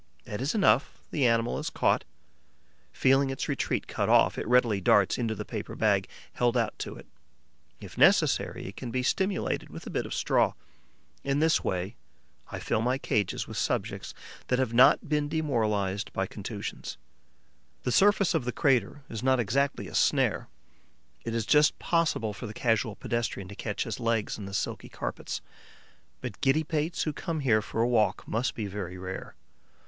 That is enough; the animal is caught. Feeling its retreat cut off, it readily darts into the paper bag held out to it; if necessary, it can be stimulated with a bit of straw. In this way, I fill my cages with subjects that have not been demoralized by contusions. The surface of the crater is not exactly a snare. It is just possible for the casual pedestrian to catch his legs in the silky carpets; but giddy pates who come here for a walk must be very rare.